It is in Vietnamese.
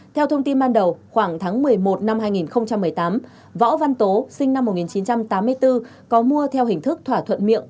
theo thông tin ban đầu khoảng tháng một mươi một năm hai nghìn một mươi tám võ văn tố sinh năm một nghìn chín trăm tám mươi bốn có mua theo hình thức thỏa thuận miệng